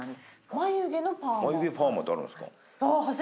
まゆ毛パーマってあるんですか？